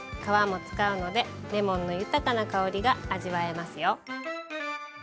皮も使うのでレモンの豊かな香りが味わえますよ。